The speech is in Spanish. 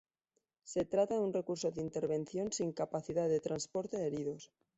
Se trata de un recurso de intervención sin capacidad de transporte de heridos.